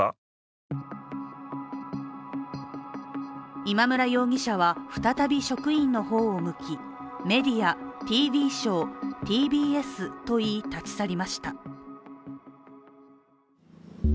今村容疑者は再び職員の方を向きメディア、ＴＶショーＴＢＳと言い、立ち去りました。